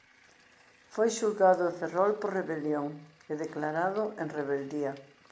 Foi xulgado en Ferrol por rebelión e declarado en rebeldía.